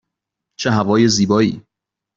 چه هوای زیبایی!